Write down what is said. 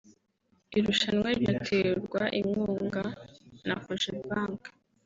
irushanwa rinaterwa inkunga na Cogebanque